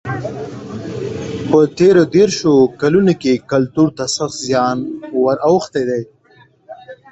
په تېرو دېرشو کلونو کې کلتور ته سخت زیان ور اوښتی دی.